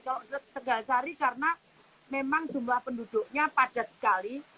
kalau tegasari karena memang jumlah penduduknya padat sekali